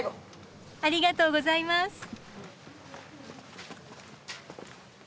ありがとうございます。